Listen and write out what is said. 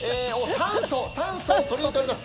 酸素を取り入れております。